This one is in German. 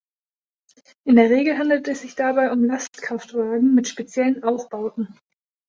In der Regel handelt es sich dabei um Lastkraftwagen mit speziellen Aufbauten.